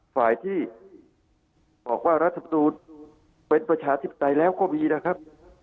ฝ่ายที่บอกว่ารัฐมนูลเป็นประชาธิปไตยแล้วก็มีนะครับ